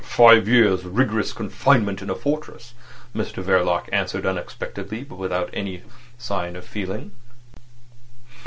"Five years' rigorous confinement in a fortress," Mr Verloc answered unexpectedly, but without any sign of feeling.